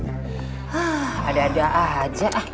hah ada ada aja